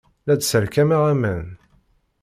La d-sserkameɣ aman.